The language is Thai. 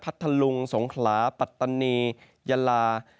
ทะลุงสงขลาปัตตานียาลา